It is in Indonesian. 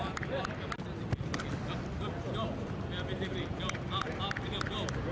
ketika di adanya keadangan teguh kemudian menangis di namun penyerangnya